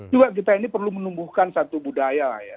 juga kita ini perlu menumbuhkan satu budaya ya